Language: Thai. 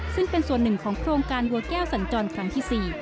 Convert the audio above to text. ซึ่งเป็นส่วนหนึ่งของโครงการบัวแก้วสัญจรครั้งที่๔